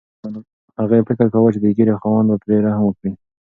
مرغۍ فکر کاوه چې د ږیرې خاوند به پرې رحم وکړي.